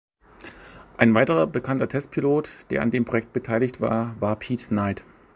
Ein weiterer bekannter Testpilot, der an dem Projekt beteiligt war, war Pete Knight.